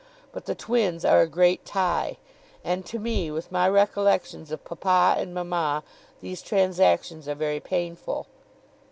But the twins are a great tie; and to me, with my recollections, of papa and mama, these transactions are very painful.